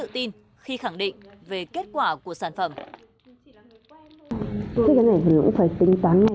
thì là cái tỷ lệ thành công của cái hồng còn cao hơn cả